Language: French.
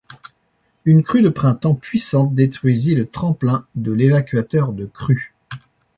Une crue de printemps puissante détruisit le tremplin de l'évacuateur de crues.